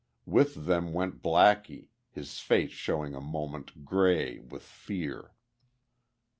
With them went Blackie, his face showing a moment, grey with fear....